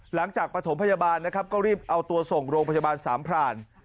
ประถมพยาบาลนะครับก็รีบเอาตัวส่งโรงพยาบาลสามพราน